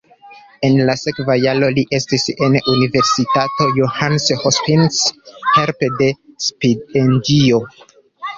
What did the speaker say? En la sekva jaro li estis en Universitato Johns Hopkins helpe de stipendio.